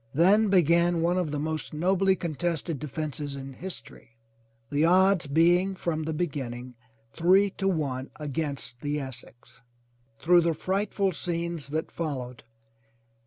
Then began one of the most nobly contested defences in history, the odds be ing from the beginning three to one against the Essex. Through the frightful scenes that followed.